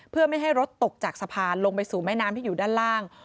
เพื่อไม่ให้รถตกจากสะพานลงไปสู่แม่น้ำที่อยู่ด้านล่าง